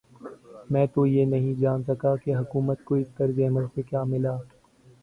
میں تو یہ نہیں جان سکا کہ حکومت کو اس طرز عمل سے کیا ملا؟